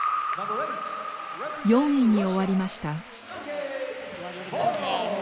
４位に終わりました。